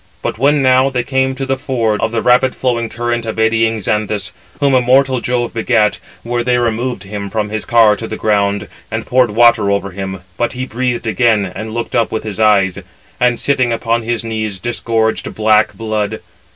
But when now they came to the ford of the rapid flowing current of eddying Xanthus, whom immortal Jove begat, there they removed him from his car to the ground, and poured water over him; but he breathed again, and looked up with his eyes; and, sitting upon his knees, disgorged black blood.